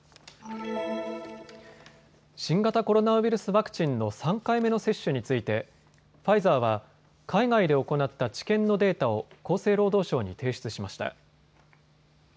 新型コロナウイルスワクチンの３回目の接種についてファイザーは海外で行った治験のデータを厚生労働省に提出しました。